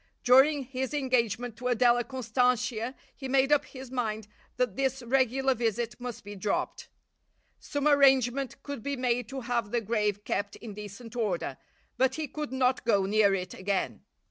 During his engagement to Adela Constantia he made up his mind that this regular visit must be dropped. Some arrangement could be made to have the grave kept in decent order, but he could not go near it again.